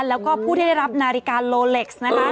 แล้วก็ผู้ที่ได้รับนาฬิกาโลเล็กซ์นะคะ